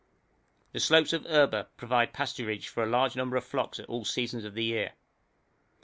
The slopes of Erba provide pasturage for a large number of flocks at all seasons of the year.